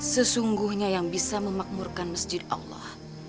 sesungguhnya yang bisa memakmurkan masjid allah